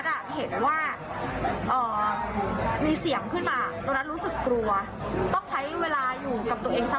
เพราะว่าหลายคนบอกเสียงเราหรือเปล่าหัวเราะหรือเปล่า